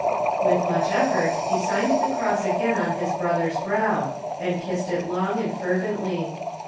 With much effort he signed the cross again on his brother's brow, and kissed it long and fervently.